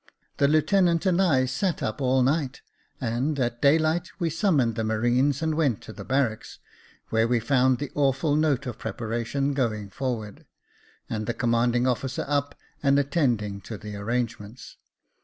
The lieutenant and I sat up all night, and, at daylight, we summoned the marines and went to the barracks, where we found the awful note of preparation going forward, and the commanding officer up and attending to the arrangements.